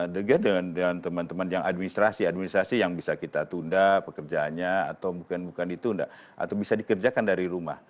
the game dengan teman teman yang administrasi administrasi yang bisa kita tunda pekerjaannya atau mungkin bukan itu atau bisa dikerjakan dari rumah